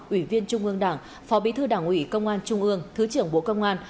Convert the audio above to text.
ủy viên trung ương đảng phó bí thư đảng ủy công an trung ương thứ trưởng bộ công an